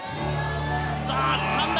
さあつかんだ！